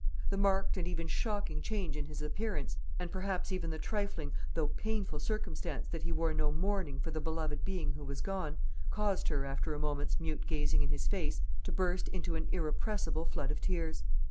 The marked and even shocking change in his appearance, and perhaps even the trifling though painful circumstance that he wore no mourning for the beloved being who was gone, caused her, after a moment's mute gazing in his face, to burst into an irrepressible flood of tears.